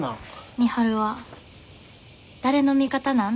「美晴は誰の味方なん？」